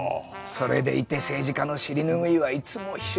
それでいて政治家の尻ぬぐいはいつも秘書。